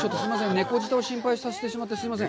猫舌を心配させてしまってすいません。